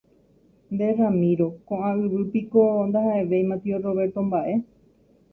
Nde Ramiro, ko'ã yvy piko ndaha'evéima tio Roberto mba'e.